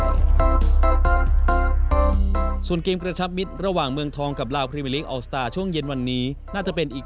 ส่วนเกมกระชับมิตรระหว่างเมืองทองกับลาวพรีเมอร์ลิงกออกสตาร์ช่วงเย็นวันนี้น่าจะเป็นอีก